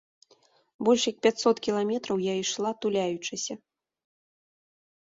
Больш як пяцьсот кіламетраў я ішла, туляючыся.